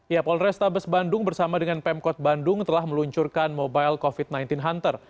ya polrestabes bandung bersama dengan pemkot bandung telah meluncurkan mobile covid sembilan belas hunter